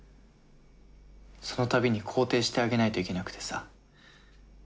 そのたびに肯定してあげないといけなくてさ。